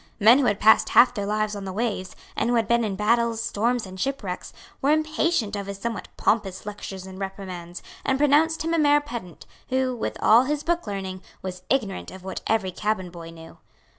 Men who had passed half their lives on the waves, and who had been in battles, storms and shipwrecks, were impatient of his somewhat pompous lectures and reprimands, and pronounced him a mere pedant, who, with all his book learning, was ignorant of what every cabin boy knew.